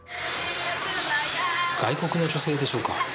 外国の女性でしょうか。